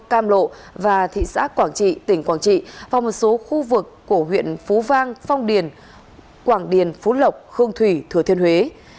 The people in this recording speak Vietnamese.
cam lộ và thị xã quảng trị tỉnh quảng trị và một số khu vực của huyện phú vang phong điền quảng điền phú lộc hương thủy thừa thiên huế